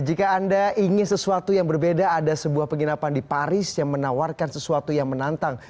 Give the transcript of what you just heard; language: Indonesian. jika anda ingin sesuatu yang berbeda ada sebuah penginapan di paris yang menawarkan sesuatu yang menantang